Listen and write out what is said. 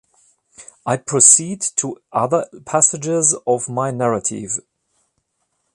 I proceed to other passages of my narrative.